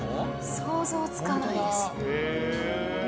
想像つかないです。